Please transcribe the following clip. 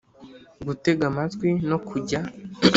Gutega amatwi no kujya